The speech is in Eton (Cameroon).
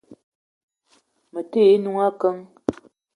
Me te ye n'noung akeng.